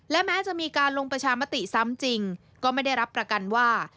และแม้จะมีการลงประชามติซ้ำจริงก็ไม่ได้รับประกันว่า